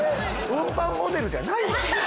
運搬モデルじゃないの！？